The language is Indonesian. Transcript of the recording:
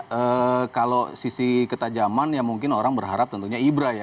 ya kalau sisi ketajaman ya mungkin orang berharap tentunya ibra ya